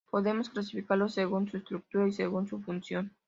Podemos clasificarlos según su estructura y según su función.